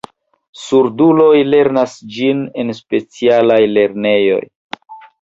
Surduloj lernas ĝin en specialaj lernejoj.